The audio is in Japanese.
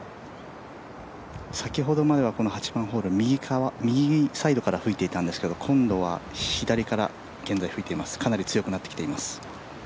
先ほどまでは８番ホール、右サイドから吹いていたんですけど、今度は左から現在吹いています、かなり強くなってきています。